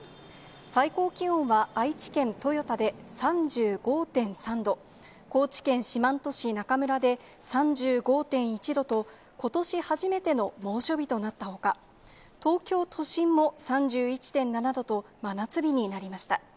最高気温は、愛知県豊田で３５．３度、高知県四万十市中村で３５．１度と、ことし初めての猛暑日となったほか、東京都心も３１．７度と、真夏日になりました。